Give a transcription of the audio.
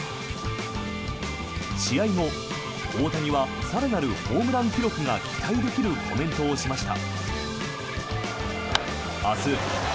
試合後、大谷は更なるホームラン記録が期待できるコメントをしました。